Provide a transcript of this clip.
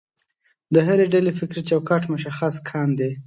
د هرې ډلې فکري چوکاټ مشخص کاندي.